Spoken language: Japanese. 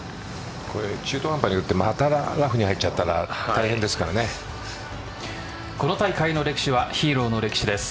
中途半端に打ってまたラフに入っちゃったらこの大会の歴史はヒーローの歴史です。